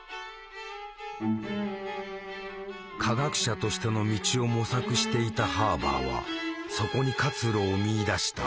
化学者としての道を模索していたハーバーはそこに活路を見いだした。